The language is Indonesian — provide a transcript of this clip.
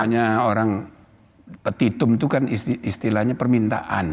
misalnya orang petitum itu kan istilahnya permintaan